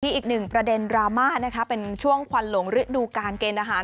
อีกหนึ่งประเด็นดราม่านะคะเป็นช่วงควันหลงฤดูการเกณฑ์อาหาร